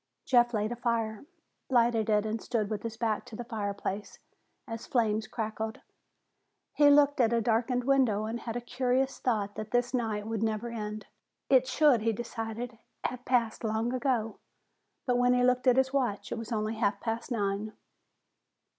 Jeff laid a fire, lighted it and stood with his back to the fireplace as flames crackled. He looked at a darkened window and had a curious thought that this night would never end. It should, he decided, have passed long ago. But when he looked at his watch, it was only half past nine.